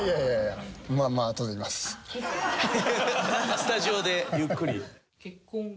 スタジオでゆっくり。